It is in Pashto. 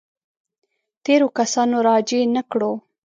تېرو کسانو راجع نه کړو.